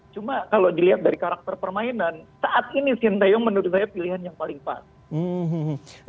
cuma kalau dilihat dari karakter permainan saat ini sintayong menurut saya pilihan yang paling pas